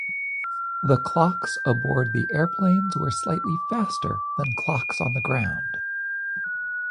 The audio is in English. The clocks aboard the airplanes were slightly faster than clocks on the ground.